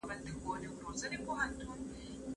گغام، حمباس، قاقدشت، او هدگري میدان د اوغان قوم سیمي وې.